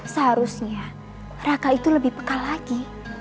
seharusnya raka itu lebih peka lagi